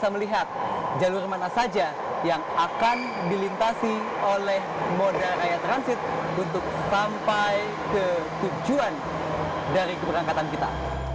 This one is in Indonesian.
bisa melihat jalur mana saja yang akan dilintasi oleh moda raya transit untuk sampai ke tujuan dari keberangkatan kita